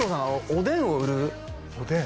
おでんを売るおでん？